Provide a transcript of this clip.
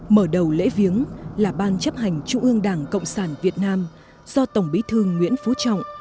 mở đầu lễ viếng là ban chấp hành trung ương đảng cộng sản việt nam do tổng bí thư nguyễn phú trọng